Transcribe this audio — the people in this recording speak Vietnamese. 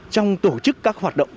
trong tổ chức các hoạt động